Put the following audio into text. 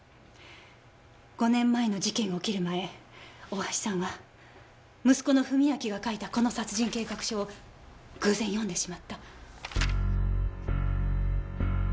５年間の事件が起きる前大橋さんは息子の史明が書いたこの殺人計画書を偶然読んでしまった。